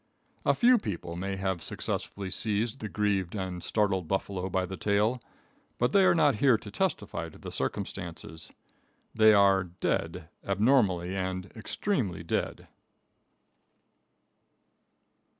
A few people may have successfully seized the grieved and startled buffalo by the tail, but they are not here to testify to the circumstances. They are dead, abnormally and extremely dead.